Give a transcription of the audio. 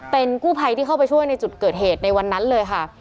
เป็นกู้ภัยที่เข้าไปช่วยในจุดเกิดเหตุในวันนั้นเลยค่ะ